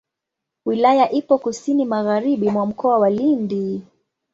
Wilaya ipo kusini magharibi mwa Mkoa wa Lindi.